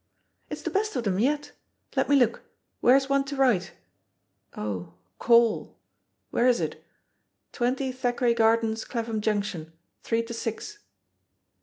'' "It's the best of them yet. Let me look; Where's one to write? Oh, 'Call' I Where is it? *20 Thackeray Gardens, Clapham Junction. Three to six.'